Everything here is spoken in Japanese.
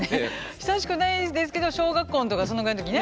久しくないですけど小学校とかそのぐらいの時ね。